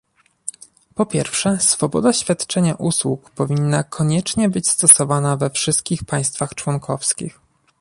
Po pierwsze, swoboda świadczenia usług powinna koniecznie być stosowana we wszystkich państwach członkowskich